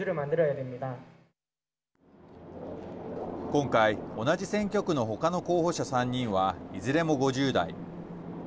今回、同じ選挙区のほかの候補者３人はいずれも５０代。